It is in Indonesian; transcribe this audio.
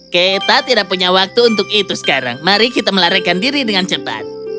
kita tidak punya waktu untuk itu sekarang mari kita melarikan diri dengan cepat